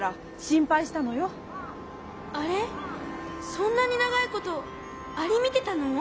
そんなにながいことアリみてたの？